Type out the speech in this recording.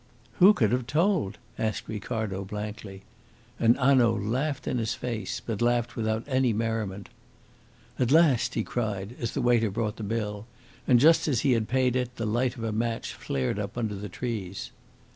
"Who could have told?" asked Ricardo blankly, and Hanaud laughed in his face, but laughed without any merriment. "At last!" he cried, as the waiter brought the bill, and just as he had paid it the light of a match flared up under the trees.